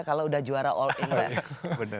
kalau udah juara all england